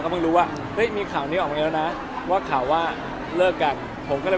ก็ไม่รู้ว่าอยู่ในใจไหนอย่างนี้